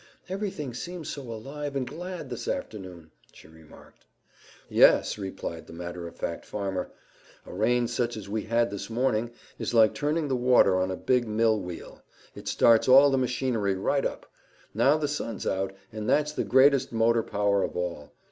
"Everything seems so alive and glad this afternoon," she remarked. "Yes," replied the matter of fact farmer. "A rain such as we had this morning is like turning the water on a big mill wheel. It starts all the machinery right up. Now the sun's out, and that's the greatest motor power of all.